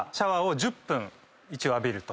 浴びると。